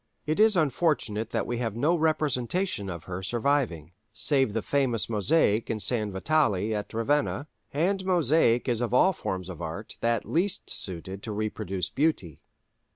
It is unfortunate that we have no representation of her surviving, save the famous mosaic in San Vitale at Ravenna, and mosaic is of all forms of art that least suited to reproduce beauty.